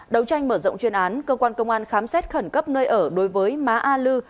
đấu tranh mở rộng chuyên án cơ quan công an khám xét khẩn cấp nơi ở đối với má a lư